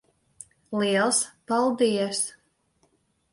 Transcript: Liels paldies.